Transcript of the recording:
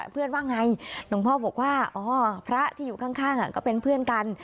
เพื่อนว่าไงหลวงพ่อบอกว่าอ๋อพระที่อยู่ข้างก็เป็นเพื่อนกัน